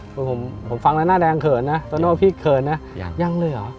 คือผมฟังแล้วหน้าแดงเขินนะโตโน่พี่เขินนะยังเลยเหรอ